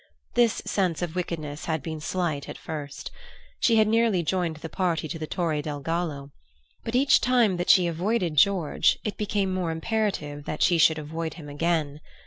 This sense of wickedness had been slight at first. She had nearly joined the party to the Torre del Gallo. But each time that she avoided George it became more imperative that she should avoid him again.